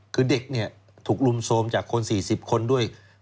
คือเด็กเนี่ยถูกรุมโทรมจากคน๔๐คนด้วย